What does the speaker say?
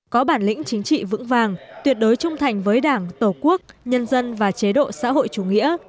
có bản lĩnh chính trị vững vàng tuyệt đối trung thành với đảng tổ quốc nhân dân và chế độ xã hội chủ nghĩa